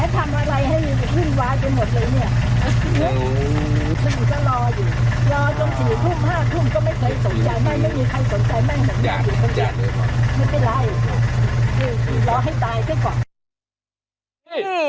ตายด้วยก่อน